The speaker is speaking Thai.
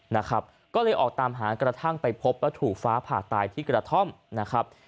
นะครับก็เลยออกตามหากระทั่งไปพบว่าถูกฟ้าผ่าตายที่กระท่อมนะครับ